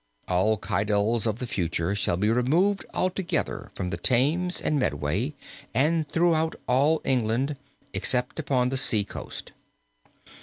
"All kydells for the future shall be removed altogether from the Thames and Medway, and throughout all England, except upon the sea coast.